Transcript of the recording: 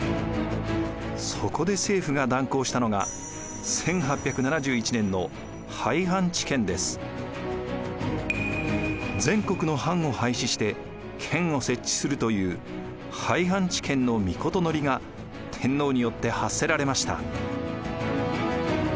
そこで政府が断行したのが全国の藩を廃止して県を設置するという廃藩置県の詔が天皇によって発せられました。